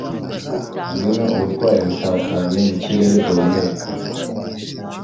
Ngwino ubutwari butatanye mu kirere duhumeka